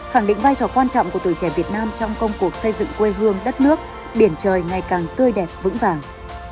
khẳng định vai trò quan trọng của tuổi trẻ việt nam trong công cuộc xây dựng quê hương đất nước biển trời ngày càng tươi đẹp vững vàng